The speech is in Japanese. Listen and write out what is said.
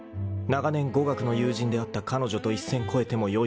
［長年語学の友人であった彼女と一線越えてもよいものか］